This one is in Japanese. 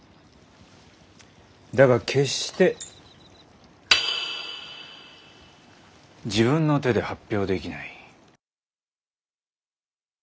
だが決して自分の手で発表できない。